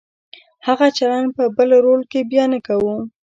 هغه چلند په بل رول کې بیا نه کوو.